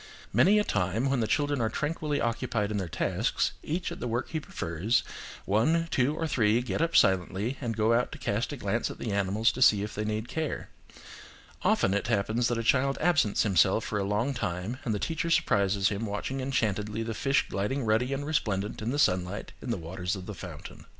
Many a time when the children are tranquilly occupied in tasks, each at the work he prefers, one, two, or three, get up silently, and go out to cast a glance at the animals to see if they need care. Often it happens that a child absents himself for a long time and the teacher surprises him watching enchantedly the fish gliding ruddy and resplendent in the sunlight in the waters of the fountain.